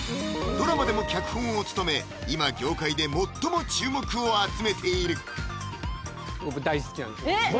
ドラマでも脚本を務め今業界で最も注目を集めている僕大好きなんですよ